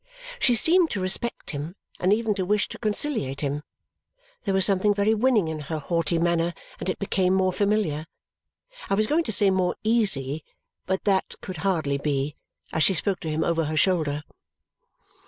She seemed to respect him and even to wish to conciliate him. There was something very winning in her haughty manner, and it became more familiar I was going to say more easy, but that could hardly be as she spoke to him over her shoulder.